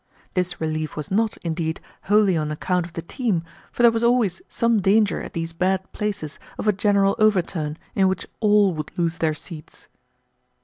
This relief was not, indeed, wholly on account of the team, for there was always some danger at these bad places of a general overturn in which all would lose their seats.